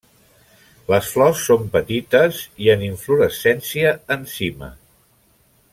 Les flors són petites i en inflorescència en cima.